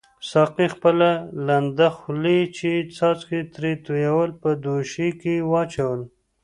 ساقي خپله لنده خولۍ چې څاڅکي ترې توییدل په دوشۍ کې واچول.